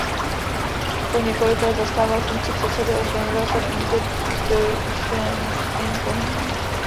Po několik let zastával funkci předsedy organizace Bund der Deutschen in Böhmen.